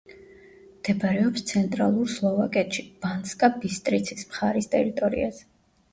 მდებარეობს ცენტრალურ სლოვაკეთში, ბანსკა-ბისტრიცის მხარის ტერიტორიაზე.